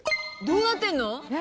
どうなってんの？